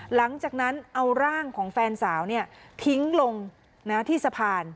หลังจากนั้นเอาร่างของแฟนสาวทิ้งลงที่สะพาน